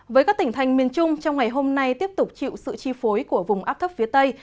với các tỉnh thành miền trung trong ngày hôm nay tiếp tục chịu sự chi phối của vùng áp thấp phía tây